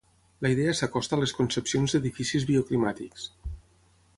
La idea s'acosta a les concepcions d'edificis bioclimàtics.